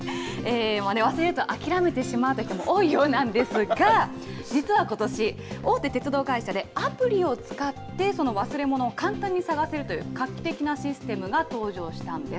忘れると諦めてしまう人も多いようなんですが、実はことし、大手鉄道会社でアプリを使って、その忘れ物を簡単に探せるという画期的なシステムが登場したんです。